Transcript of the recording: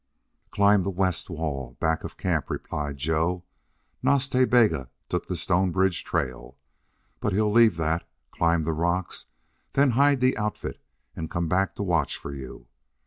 "Climb the west wall, back of camp," replied Joe. "Nas Ta Bega took the Stonebridge trail. But he'll leave that, climb the rocks, then hide the outfit and come back to watch for you.